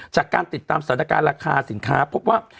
จากการติดตามสถานการณ์ราคาสินค้าพบว่า